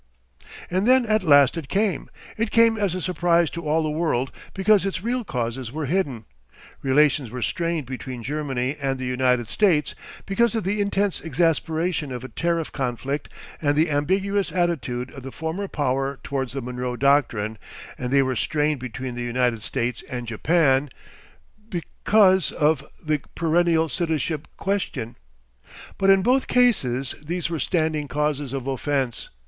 And then at last it came. It came as a surprise to all the world because its real causes were hidden. Relations were strained between Germany and the United States because of the intense exasperation of a tariff conflict and the ambiguous attitude of the former power towards the Monroe Doctrine, and they were strained between the United States and Japan because of the perennial citizenship question. But in both cases these were standing causes of offence.